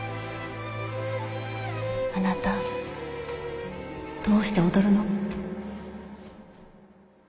あなたどうして踊るの？